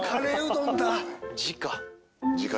じか？